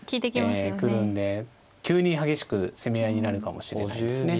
ええくるんで急に激しく攻め合いになるかもしれないですね。